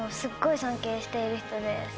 している人です。